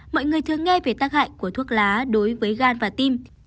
mọi người thường nghe về tác hại của thuốc lá đối với gan và tim